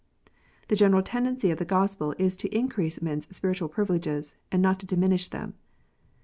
The general tendency of the Gospel is to increase men s spiritual privileges and not to diminish them.